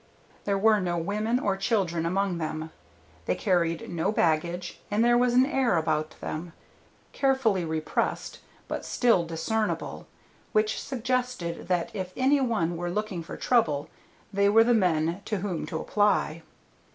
There were no women or children among them, they carried no baggage, and there was an air about them, carefully repressed but still discernible, which suggested that if any one were looking for trouble they were the men to whom to apply.